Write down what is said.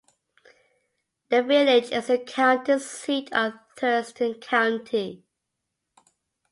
The village is the county seat of Thurston County.